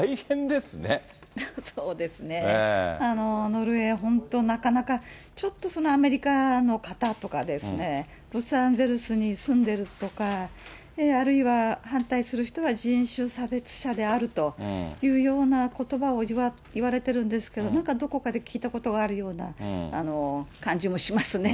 ノルウェー、本当、なかなかちょっとアメリカの方とかですね、ロサンゼルスに住んでるとか、あるいは、反対する人は人種差別者であるというようなことばを言われてるんですけど、なんかどこかで聞いたことがあるような、感じもしますね。